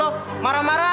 tuh kan bener